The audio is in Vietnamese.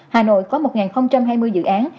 hà nội có một hai mươi dự án